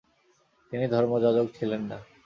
তিনি ধর্মযাজক ছিলেন না ।